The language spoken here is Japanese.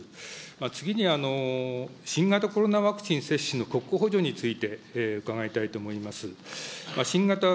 次に、新型コロナワクチン接種の国庫補助について伺いたいと思います。